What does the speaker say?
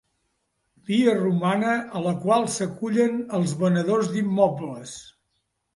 Via romana a la qual s'acullen els venedors d'immobles.